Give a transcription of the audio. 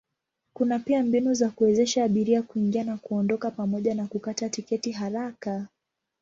Kuna pia mbinu za kuwezesha abiria kuingia na kuondoka pamoja na kukata tiketi haraka.